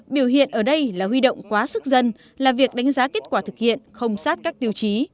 biểu hiện ở đây là huy động quá sức dân là việc đánh giá kết quả thực hiện không sát các tiêu chí